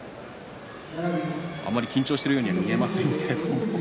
あまり緊張しているようには見えませんけれど。